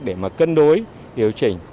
để mà cân đối điều chỉnh